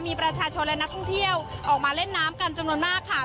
มีประชาชนและนักท่องเที่ยวออกมาเล่นน้ำกันจำนวนมากค่ะ